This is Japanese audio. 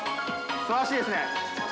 すばらしいですね。